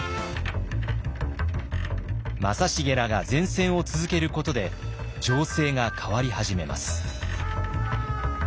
正成らが善戦を続けることで情勢が変わり始めます。